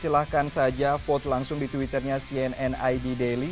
silahkan saja vote langsung di twitternya cnid daily